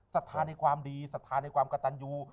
ศรัทธาในความดีศรัทธาในความกระตันยู